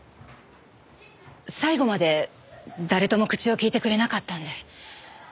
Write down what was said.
最後まで誰とも口を利いてくれなかったんで。